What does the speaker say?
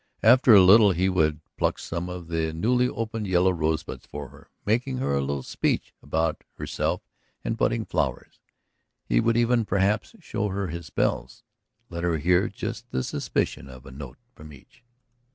After a little he would pluck some of the newly opened yellow rosebuds for her, making her a little speech about herself and budding flowers. He would even, perhaps, show her his bells, let her hear just the suspicion of a note from each.